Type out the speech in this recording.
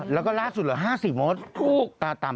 แล้วก็ล่าสุดหรือ๕๐โมตรต่ำมาก